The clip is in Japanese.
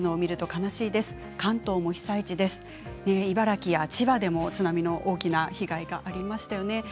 茨城や千葉でも津波の大きな被害がありましたよね。